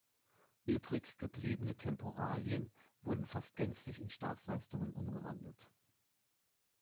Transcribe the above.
Übrig gebliebene Temporalien wurden fast gänzlich in Staatsleistungen umgewandelt.